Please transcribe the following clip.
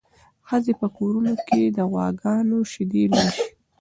ښځې په کورونو کې د غواګانو شیدې لوشي.